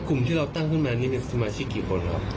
กลุ่มที่เราตั้งขึ้นมานี่เป็นสมาชิกกี่คนครับ